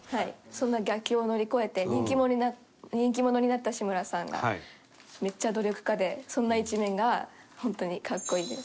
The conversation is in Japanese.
そんな逆境を乗り越えて人気者になった志村さんがめっちゃ努力家でそんな一面が本当に格好いいです。